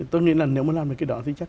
tôi nghĩ là nếu mà làm được cái đó thì chắc